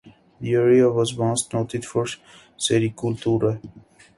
The area was once noted for sericulture.